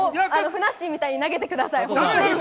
ふなっしーみたいに投げてください。